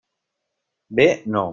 Bé, no.